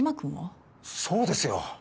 そうですよ。